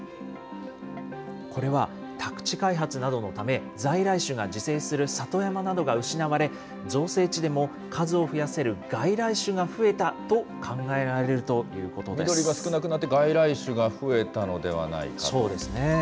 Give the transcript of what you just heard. これは宅地開発のため、在来種が自生する里山などが失われ、造成地でも数を増やせる外来種が増えたと考えられるということで緑が少なくなって外来種が増そうですね。